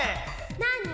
なに？